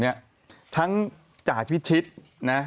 นี่ทั้งจาดพิชชิตนะ